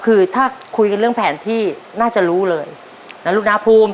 คือถ้าคุยกันเรื่องแผนที่น่าจะรู้เลยนะลูกน้าภูมิ